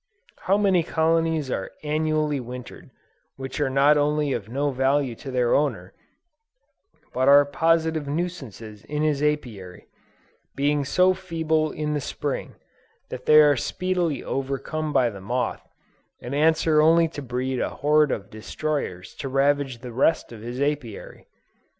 How many colonies are annually wintered, which are not only of no value to their owner, but are positive nuisances in his Apiary; being so feeble in the Spring, that they are speedily overcome by the moth, and answer only to breed a horde of destroyers to ravage the rest of his Apiary.